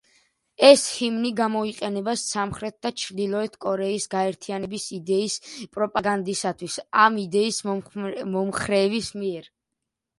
ეს ჰიმნი გამოიყენება სამხრეთ და ჩრდილოეთ კორეის გაერთიანების იდეის პროპაგანდისათვის ამ იდეის მომხრეების მიერ.